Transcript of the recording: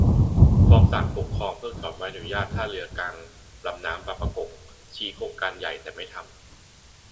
ฟ้องศาลปกครองเพิกถอนใบอนุญาตท่าเรือกลางลำน้ำบางปะกง ชี้โครงการใหญ่แต่ไม่ทำ